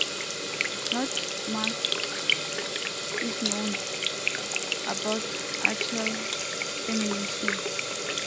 Not much is known about archaeal termination.